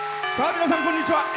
皆さん、こんにちは！